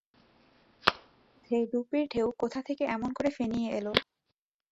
হঠাৎ আমার মধ্যে রূপের ঢেউ কোথা থেকে এমন করে ফেনিয়ে এল?